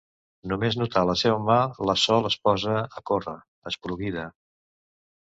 Només notar la seva mà la Sol es posa a córrer, esporuguida.